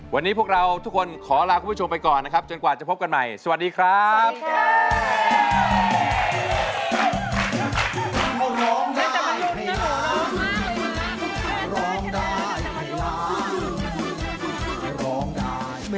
วันนี้พวกเราทุกคนขอลาคุณผู้ชมไปก่อนนะครับจนกว่าจะพบกันใหม่สวัสดีครับ